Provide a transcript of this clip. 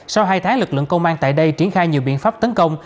sau hai tháng lực lượng công an tại đây triển khai nhiều biện pháp tấn công